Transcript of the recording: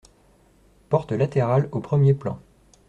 Portes latérales au premier plan.